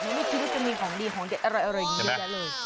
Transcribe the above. มีชิ้นมีของดีของเด็ดอร่อยเยอะแยะเลย